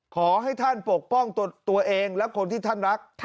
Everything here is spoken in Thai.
ขอให้ท่านปกป้องตัวเองและคนที่ท่านรัก